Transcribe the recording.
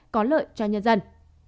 có lợi cho nhân dân